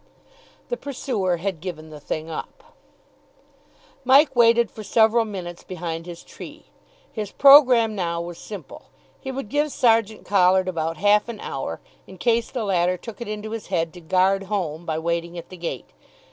The pursuer had given the thing up. Mike waited for several minutes behind his tree. His programme now was simple. He would give Sergeant Collard about half an hour, in case the latter took it into his head to "guard home" by waiting at the gate.